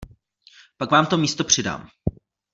Pak vám to místo přidám.